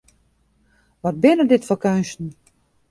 Wat binne dit foar keunsten!